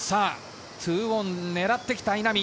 ２オンを狙ってきた、稲見。